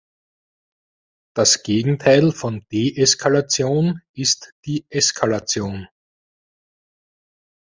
Das Gegenteil von Deeskalation ist die Eskalation.